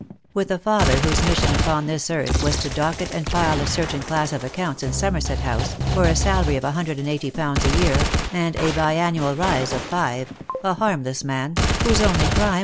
With a father whose mission upon this earth was to docket and file a certain class of accounts in Somerset House, for a salary of a hundrcd and eiglity pounds a year, and a bi annual rise of five, a harmless man, whose only crime was VOL.